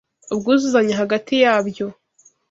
ubwuzuzanye hagati yabyo